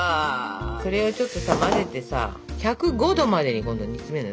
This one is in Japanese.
それをちょっとさ混ぜてさ１０５℃まで今度煮つめるのよ。